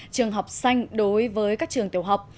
trường học xanh đối với các trường tiểu học